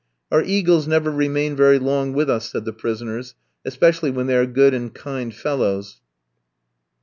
"Our eagles never remain very long with us," said the prisoners; "especially when they are good and kind fellows."